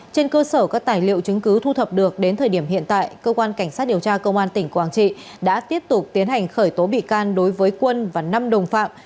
trên cơ sở các tài liệu chứng cứ thu thập được đến thời điểm hiện tại cơ quan cảnh sát điều tra công an tỉnh quảng trị đã tiếp tục tiến hành khởi tố bị can đối với quân và năm đồng phạm